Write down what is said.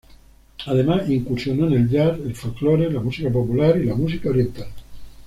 Además incursionó en el jazz, el folclore, la música popular y la música oriental.